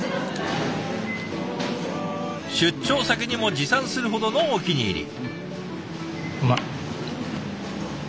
出張先にも持参するほどのお気に入り。